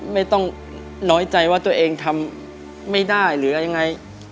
ไม่ต้องน้อยใจว่าตัวเองทำไม่ได้หรือยังไง